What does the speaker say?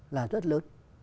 là rất lớn